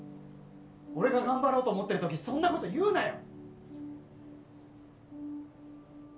俺が頑張ろうと思ってる時そんなこと言うなよ！